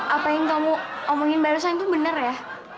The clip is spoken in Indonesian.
apa yang kamu omongin barusan itu benar ya